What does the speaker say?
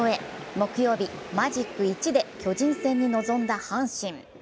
木曜日、マジック１で、巨人戦に臨んだ阪神。